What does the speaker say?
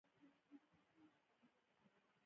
تعلیم نجونو ته د لومړنیو مرستو مهارتونه ور زده کوي.